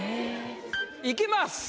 いきます。